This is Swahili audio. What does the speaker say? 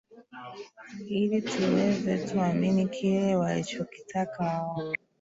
ili tuweze tuamini kile walichokitaka wao